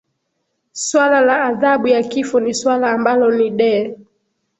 swala la adhabu ya kifo ni suala ambalo ni de